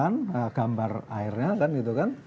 akan kelihatan gambar airnya kan gitu kan